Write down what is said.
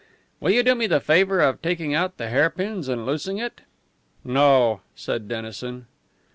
"Will you do me the favour of taking out the hairpins and loosing it?" "No!" said Dennison.